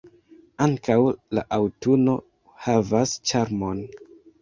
Ankaŭ la aŭtuno havas ĉarmon.